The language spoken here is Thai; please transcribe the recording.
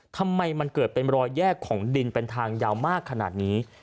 ทำไมมันเกิดเป็นรอยแยกของดินเป็นทางยาวมากขนาดนี้